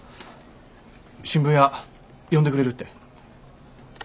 新聞屋呼んでくれるって？